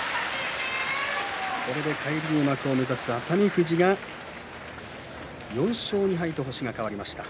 これで返り入幕を目指す熱海富士４勝２敗と星が変わりました。